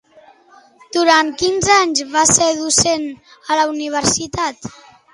Durant quins anys va ser docent a la universitat?